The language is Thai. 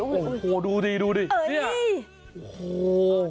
โอ้โหดูดิเนี่ยโอ้โห